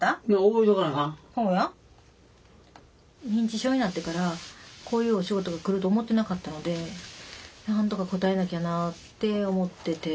認知症になってからこういうお仕事がくると思ってなかったのでなんとか応えなきゃなって思ってて。